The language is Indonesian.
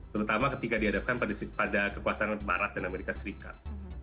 terutama ketika dihadapkan pada kekuatan barat dan amerika serikat